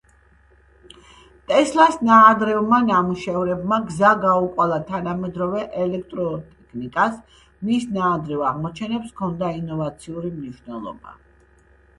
ტესლას ნაადრევმა ნამუშევრებმა გზა გაუკვალა თანამედროვე ელექტროტექნიკას, მის ნაადრევ აღმოჩენებს ჰქონდა ინოვაციური მნიშვნელობა.